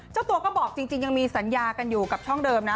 เจ้าตัวก็บอกจริงยังมีสัญญากันอยู่กับช่องเดิมนะ